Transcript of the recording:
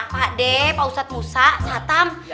pak de pak ustaz musa satam